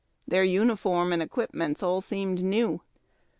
Their uniforms and equipments all seemed new.